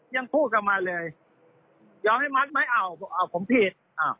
ยังพูดกลับมาเลยยอมให้มัดไหมอ้าวผมผิดอ้าว